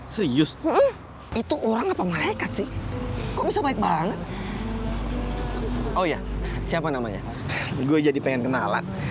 suyuh itu orang apa mereka sih kok bisa baik banget oh ya siapa namanya gue jadi pengen kenalan